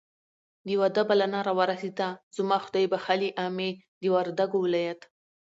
د واده بلنه راورسېده. زما خدایبښلې عمه د وردګو ولایت